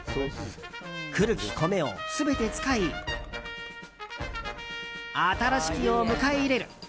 古き米を全て使い新しきを迎え入れる。